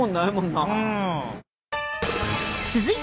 はい。